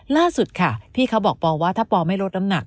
ล่าสุดค่ะพี่เขาบอกปอว่าถ้าปอไม่ลดน้ำหนัก